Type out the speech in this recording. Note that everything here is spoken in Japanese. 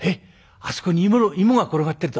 「あそこに芋が転がってるぞ。